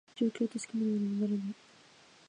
状況を確かめるまで戻らない